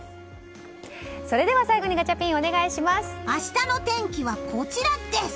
それでは最後にガチャピン明日の天気はこちらです！